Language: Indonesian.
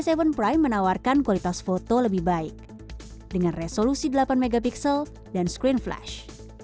suka selfie kamera galaxy j tujuh prime menawarkan kualitas foto lebih baik dengan resolusi delapan mp dan screen flash